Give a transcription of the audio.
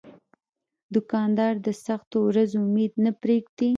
دوکاندار د سختو ورځو امید نه پرېږدي.